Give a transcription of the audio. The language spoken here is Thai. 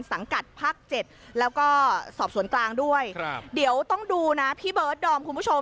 สังกัดภาค๗แล้วก็สอบสวนกลางด้วยครับเดี๋ยวต้องดูนะพี่เบิร์ดดอมคุณผู้ชม